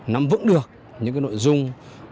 nắm vững được những nội dung